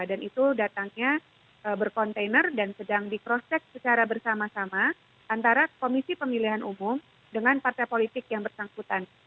dan itu datangnya berkontainer dan sedang di cross check secara bersama sama antara komisi pemilihan umum dengan partai politik yang bersangkutan